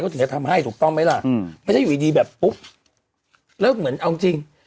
ถึงจะทำให้ถูกต้องไหมล่ะอืมไม่ใช่อยู่ดีแบบปุ๊บแล้วเหมือนเอาจริง